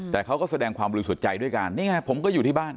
แต่เขาก็แสดงความบริสุทธิ์ใจด้วยกันนี่ไงผมก็อยู่ที่บ้าน